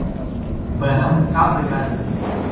barão de Casagrande